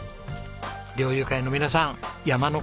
猟友会の皆さん山の事